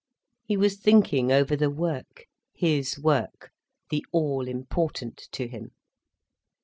He was thinking over the work, his work, the all important to him.